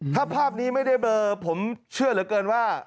ถ้าภาพนี้ไม่ได้เบอร์ผมเชื่อเหลือเกินว่า